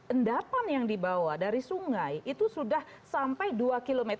endapan yang dibawa dari sungai itu sudah sampai dua km